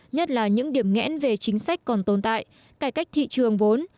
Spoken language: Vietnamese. nhất là những điểm nghẽn về chính sách còn tồn tại cải cách thị trường vốn